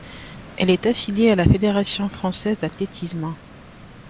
Elle est affilié a la Fédération Française d'Athlétisme.